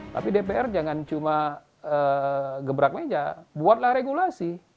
tapi dpr jangan cuma gebrak meja buatlah regulasi